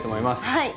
はい。